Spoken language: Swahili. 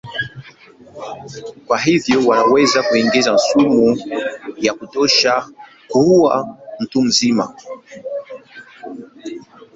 Kwa hivyo wanaweza kuingiza sumu ya kutosha kuua mtu mzima.